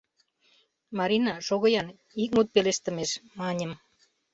— Марина, шого-ян, ик мут пелештымеш! — маньым.